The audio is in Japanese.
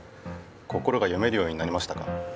心が読めるようになりましたか？